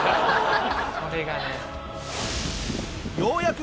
それがね。